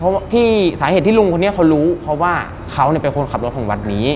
เพราะที่สาเหตุที่ลุงคนนี้เขารู้เพราะว่าเขาเป็นคนขับรถของวัดนี้